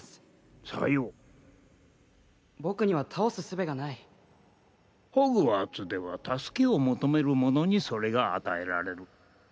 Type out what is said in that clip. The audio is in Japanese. さよう僕には倒すすべがないホグワーツでは助けを求める者にそれが与えられる∈